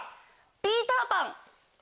『ピーター・パン』。